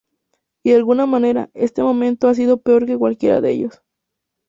Y de alguna manera, este momento ha sido peor que cualquiera de ellos.